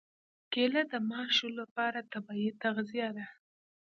کېله د ماشو لپاره طبیعي تغذیه ده.